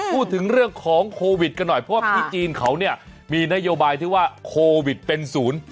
พูดถึงเรื่องของโควิดกันหน่อยเพราะว่าที่จีนเขาเนี่ยมีนโยบายที่ว่าโควิดเป็นศูนย์